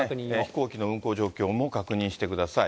飛行機の運航状況も確認してください。